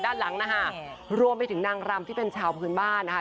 ด้านหลังนะคะรวมไปถึงนางรำที่เป็นชาวพื้นบ้านนะคะ